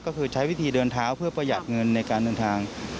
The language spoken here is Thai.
ก็คือใช้วิธีเดินเท้าเพื่อประหยัดเงินในการเดินทาง